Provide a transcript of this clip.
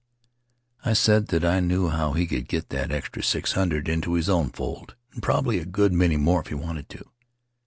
I said that I knew how he could get that extra six hundred into his own fold, and probably a good many more if he wanted to.